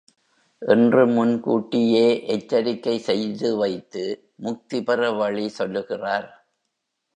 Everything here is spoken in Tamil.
என்று முன்கூட்டியே எச்சரிக்கை செய்து வைத்து முக்தி பெற வழி சொல்லுகிறார்.